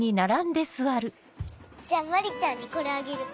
じゃ真里ちゃんにこれあげる。